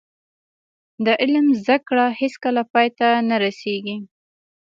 د علم زده کړه هیڅکله پای ته نه رسیږي.